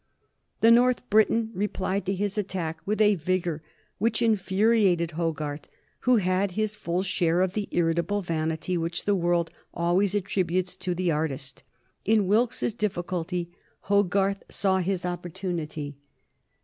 The North Briton replied to this attack with a vigor which infuriated Hogarth, who had his full share of the irritable vanity which the world always attributes to the artist. In Wilkes's difficulty Hogarth saw his opportunity.